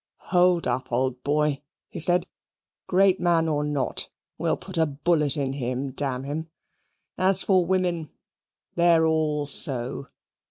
"Hold up, old boy," he said; "great man or not, we'll put a bullet in him, damn him. As for women, they're all so."